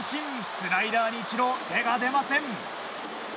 スライダーにイチロー、手が出ません。